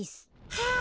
はあ。